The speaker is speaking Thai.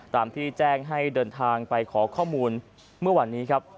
ตามที่แจ้งให้เดินทางไปขอข้อมูลเมื่อวันนี้ครับ